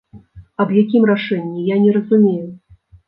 Аб якім рашэнні, я не разумею.